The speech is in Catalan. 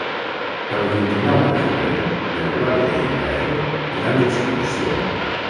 El vint-i-nou de febrer n'Eulàlia i en Gaël iran d'excursió.